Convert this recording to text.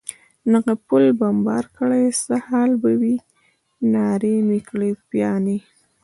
دغه پل بمبار کړي، څه حال به وي؟ نارې مې کړې: پیاني.